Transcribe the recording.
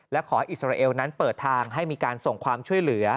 และขออิสราเอลนั้นเปิดทางให้มีการส่งความช่วยเหลือ